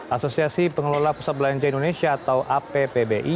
asosiasi pengelola pusat belanja indonesia atau appbi